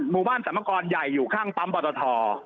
มีหมู่บ้านสัมมกรใหญ่อยู่ข้างปั๊มปทท